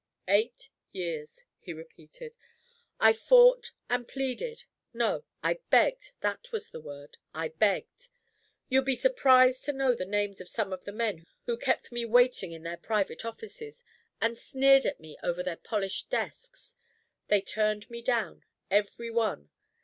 "Eight years," he repeated, "I fought and pleaded. No, I begged that was the word I begged. You'd be surprised to know the names of some of the men who kept me waiting in their private offices, and sneered at me over their polished desks. They turned me down every one.